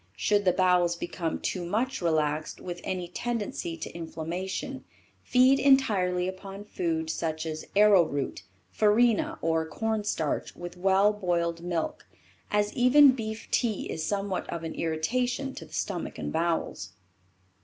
Should the bowels become too much relaxed with any tendency to inflammation, feed entirely upon food, such as arrowroot, farina or corn starch with well boiled milk, as even beef tea is somewhat of an irritation to the stomach and bowels.